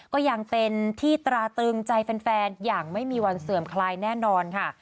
ก็ยังเป็นที่ตราตึงใจแฟนอย่างไม่มีวันเสื่อมคลายแน่นอนค่ะ